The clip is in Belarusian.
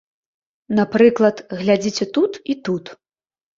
Напрыклад, глядзіце тут і тут.